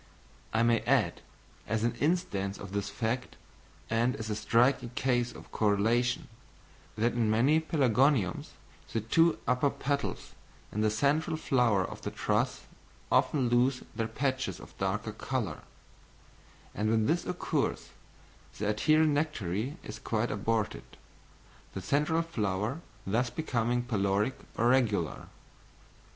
I may add, as an instance of this fact, and as a striking case of correlation, that in many pelargoniums the two upper petals in the central flower of the truss often lose their patches of darker colour; and when this occurs, the adherent nectary is quite aborted, the central flower thus becoming peloric or regular.